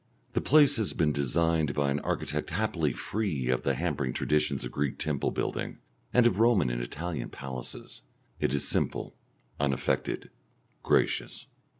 The place has been designed by an architect happily free from the hampering traditions of Greek temple building, and of Roman and Italian palaces; it is simple, unaffected, gracious.